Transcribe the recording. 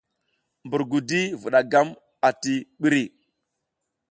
Mbur gudi vuɗa gam a ti ɓiri .